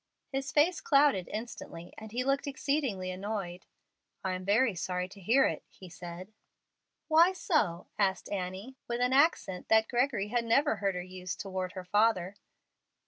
His face clouded instantly, and he looked exceedingly annoyed. "I am very sorry to hear it," he said. "Why so?" asked Annie, with an accent that Gregory had never heard her use toward her father.